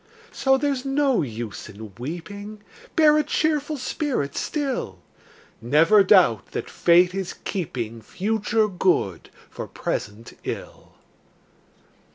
So there's no use in weeping, Bear a cheerful spirit still; Never doubt that Fate is keeping Future good for present ill!